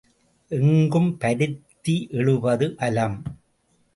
எங்கும் பருத்தி எழுபது பலம்.